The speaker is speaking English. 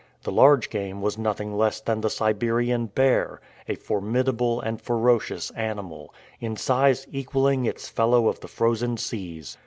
The large game was nothing less than the Siberian bear, a formidable and ferocious animal, in size equaling its fellow of the frozen seas.